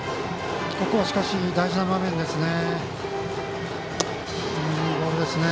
ここは大事な場面ですね。